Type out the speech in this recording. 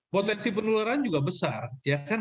potensi penularan juga besar ya kan